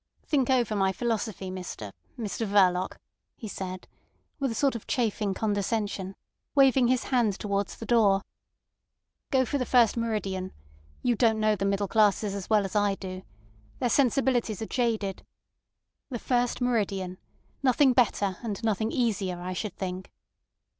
"Think over my philosophy, Mr—Mr—Verloc," he said, with a sort of chaffing condescension, waving his hand towards the door. "Go for the first meridian. You don't know the middle classes as well as I do. Their sensibilities are jaded. The first meridian. Nothing better, and nothing easier, I should think."